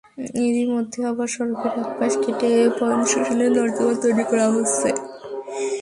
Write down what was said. এরই মধ্যে আবার সড়কের একপাশ কেটে পয়োনিষ্কাশনের নর্দমা তৈরি করা হচ্ছে।